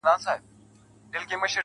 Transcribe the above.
چي د وگړو څه يې ټولي گناه كډه كړې.